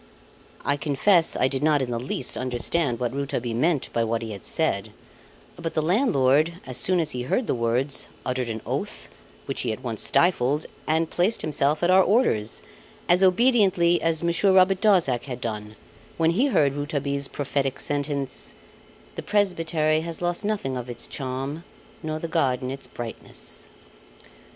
I confess I did not in the least understand what Rouletabille meant by what he had said; but the landlord, as soon as he heard the words, uttered an oath, which he at once stifled, and placed himself at our orders as obediently as Monsieur Robert Darzac had done, when he heard Rouletabille's prophetic sentence "The presbytery has lost nothing of its charm, nor the garden its brightness."